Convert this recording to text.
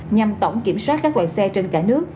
nhằm tổng kiểm soát các quạng xe trên cả nước